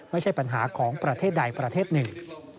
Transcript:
ไม่ใช่ปัญหาของประเทศใดประเทศหนึ่ง